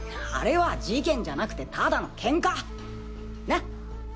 あれは事件じゃなくてただのケンカ。な？